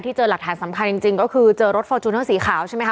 เจอหลักฐานสำคัญจริงก็คือเจอรถฟอร์จูเนอร์สีขาวใช่ไหมค